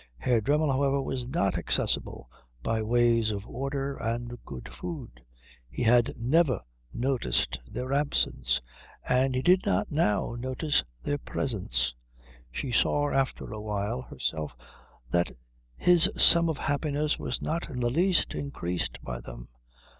Herr Dremmel, however, was not accessible by ways of order and good food; he had never noticed their absence, and he did not now notice their presence. She saw after a while herself that his sum of happiness was not in the least increased by them.